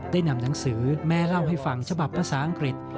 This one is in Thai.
ได้นำหนังสือแม่เล่าให้ฟังฉบับภาษาอังกฤษ